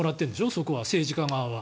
そこは政治家側は。